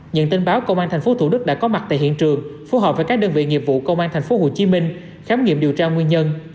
nhận tin báo công an tp thủ đức đã có mặt tại hiện trường phù hợp với các đơn vị nghiệp vụ công an tp hcm khám nghiệm điều tra nguyên nhân